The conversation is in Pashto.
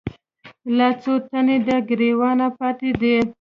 لا څــــو تڼۍ د ګــــــرېوانه پاتـې دي